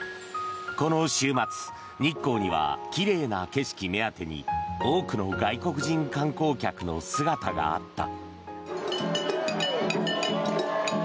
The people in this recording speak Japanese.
この週末日光には奇麗な景色目当てに多くの外国人観光客の姿があった。